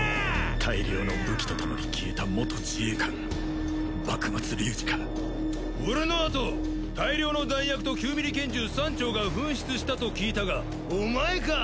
大量の武器と共に消えた元自衛官幕松竜二か俺のあと大量の弾薬と９ミリ拳銃３丁が紛失したと聞いたがお前か？